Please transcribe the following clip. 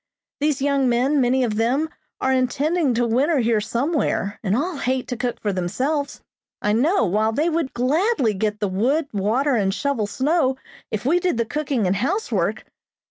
These young men, many of them, are intending to winter here somewhere, and all hate to cook for themselves, I know, while they would gladly get the wood, water, and shovel snow, if we did the cooking and housework.